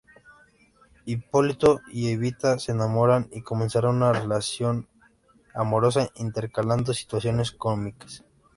Hipólito y Evita se enamoran y comenzarán una relación amorosa intercalando situaciones cómicas.